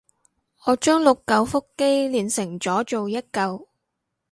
我將六舊腹肌鍊成咗做一舊